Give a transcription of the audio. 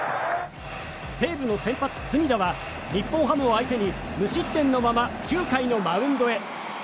西武の先発、隅田は日本ハム相手に無失点のまま９回のマウンドへ。